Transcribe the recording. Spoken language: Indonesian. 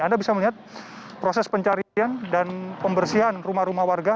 anda bisa melihat proses pencarian dan pembersihan rumah rumah warga